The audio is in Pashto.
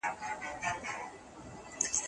که خویندې مکتب ووايي نو باغونه به وچ نه وي.